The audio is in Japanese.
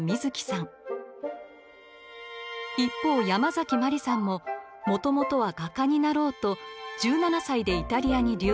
一方ヤマザキマリさんももともとは画家になろうと１７歳でイタリアに留学。